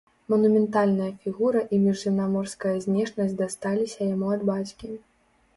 Манументальная фігура і міжземнаморская знешнасць дасталіся яму ад бацькі.